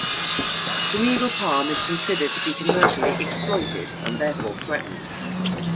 The needle palm is considered to be commercially exploited and therefore threatened.